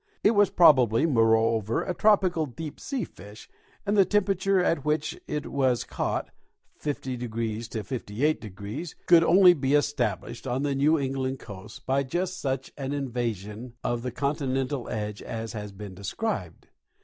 It was probably, moreover, a tropical deep sea fish, and the temperature at which it was caught (50° to 58°) could only be established on the New England coast by just such an invasion of the continental edge as has been described.